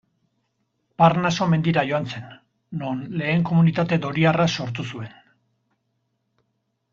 Parnaso mendira joan zen, non lehen komunitate doriarra sortu zuen.